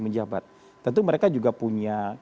menjabat tentu mereka juga punya